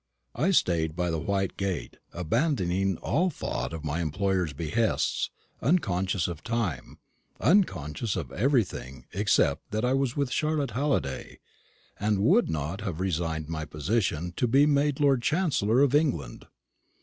I stayed by the white gate, abandoning all thought of my employer's behests, unconscious of time unconscious of everything except that I was with Charlotte Halliday, and would not have resigned my position to be made Lord Chancellor of England.